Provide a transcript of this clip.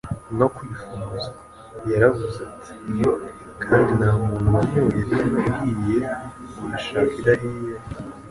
no kwifuzwa. Yaravuze ati: "Kandi nta muntu wanyoye vino ihiye, washaka idahiye,